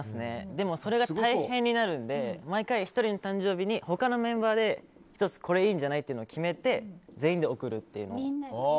でも、それが大変になるので毎回、１人の誕生日に他のメンバーでこれいいんじゃないって１つ決めて全員で贈るっていう。